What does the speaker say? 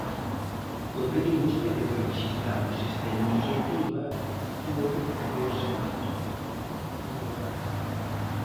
Porque di vostede que rexistramos esta iniciativa polo do observatorio.